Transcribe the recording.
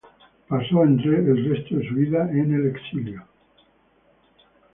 Pasó en resto de su vida en el exilio.